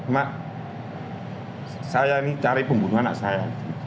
mak saya ini cari pembunuh anak saya